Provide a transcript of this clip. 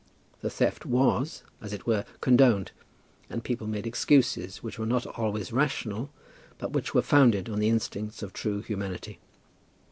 The theft was, as it were, condoned, and people made excuses which were not always rational, but which were founded on the instincts of true humanity.